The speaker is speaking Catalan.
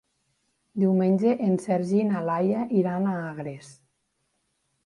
Diumenge en Sergi i na Laia iran a Agres.